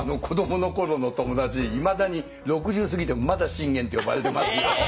子どもの頃の友達にいまだに６０過ぎてもまだ信玄って呼ばれてますよ。